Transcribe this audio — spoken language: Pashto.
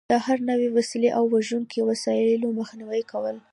د هر نوع وسلې او وژونکو وسایلو مخنیوی کول.